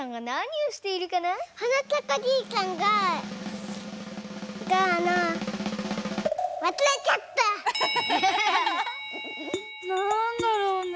なんだろうね。